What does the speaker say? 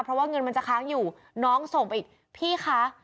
เพราะว่าเงินมันจะค้างอยู่น้องส่งไปอีกพี่คะ